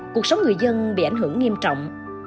cuộc sống người dân bị ảnh hưởng nghiêm trọng